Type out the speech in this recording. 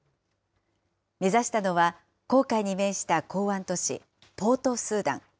目指したのは、紅海に面した港湾都市ポートスーダン。